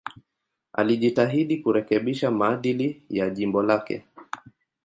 Alijitahidi kurekebisha maadili ya jimbo lake.